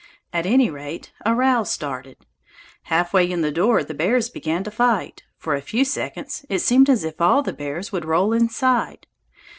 At any rate, a row started; halfway in the door the bears began to fight; for a few seconds it seemed as if all the bears would roll inside.